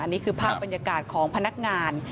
นี่คือภาพบรรยากาศของพนักงาน